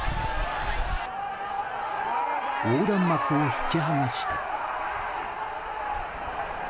横断幕を引き剥がして。